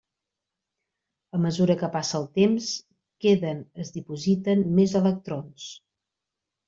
A mesura que passa el temps, queden es dipositen més electrons.